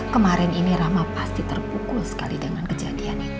kemarin ini rama pasti terpukul sekali dengan kejadian ini